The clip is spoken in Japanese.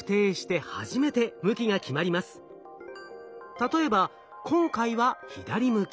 例えば今回は左向き。